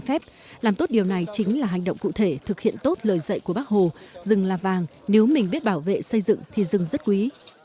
ép làm tốt điều này chính là hành động cụ thể thực hiện tốt lời dạy của bác hồ rừng là vàng nếu mình biết bảo vệ xây dựng thì rừng rất quý